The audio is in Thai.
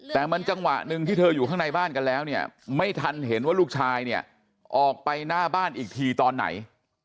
แต่มันจังหวะหนึ่งที่เธออยู่ข้างในบ้านกันแล้วเนี่ยไม่ทันเห็นว่าลูกชายเนี่ยออกไปหน้าบ้านอีกทีตอนไหน